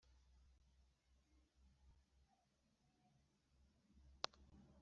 igihome cyaho ari inyanja n’urusika ruhakingiye na rwo ari inyanja?